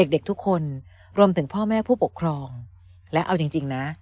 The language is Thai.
เด็กทุกคนรวมถึงพ่อแม่ผู้ปกครองและเอาจริงนะ